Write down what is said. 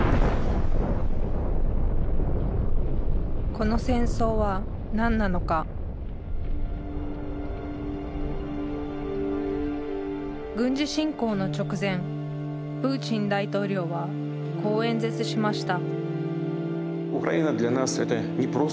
この戦争は何なのか軍事侵攻の直前プーチン大統領はこう演説しました